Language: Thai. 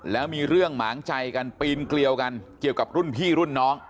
แล้วมีเรื่องหมางใจกันปีนเกลียวกันเกี่ยวกับรุ่นพี่รุ่นน้อง